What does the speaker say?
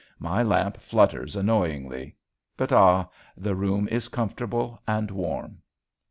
My lamp flutters annoyingly. But ah! the room is comfortable and warm.